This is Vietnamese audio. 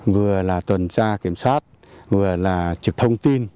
vừa là tuần tra kiểm soát vừa là trực thông tin